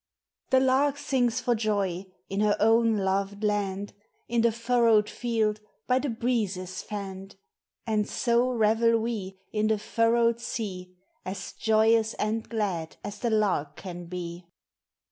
The lark sings for joy in her own loved land, In the furrowed field, by the breezes fanned; And so revel we In the furrowed sea, As joyous and glad as the lark can be.